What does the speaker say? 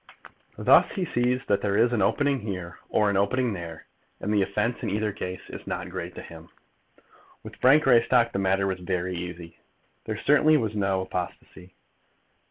Thus he sees that there is an opening here or an opening there, and the offence in either case is not great to him. With Frank Greystock the matter was very easy. There certainly was no apostasy.